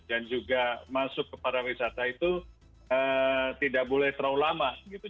dan juga masuk ke pariwisata itu tidak boleh terlalu lama gitu